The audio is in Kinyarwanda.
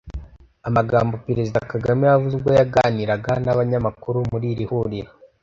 Amagambo Perezida Kagame yavuze ubwo yaganiraga n’abanyamakuru muri iri huriro